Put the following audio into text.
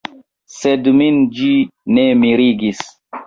Sed min ĝi ne mirigis.